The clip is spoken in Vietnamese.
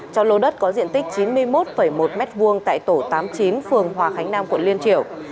cho lô đất có diện tích chín mươi một một m hai tại tổ tám mươi chín phường hòa khánh nam quận liên triểu